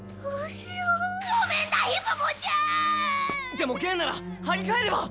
でも弦ならはりかえれば！